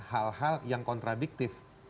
hal hal yang kontradiktif